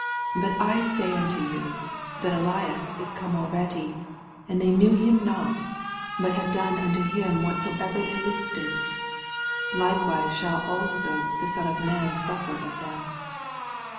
12 But I say unto you, That EUaa is come alraadv, and thev knew him not, but have aone unto him whatso* ever they listed. Likewise shall also the Son of man suffer of them.